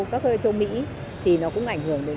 các châu mỹ thì nó cũng ảnh hưởng đến